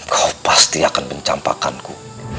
kau pasti akan mencampakanku